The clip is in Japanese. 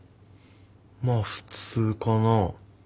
まあ普通かな。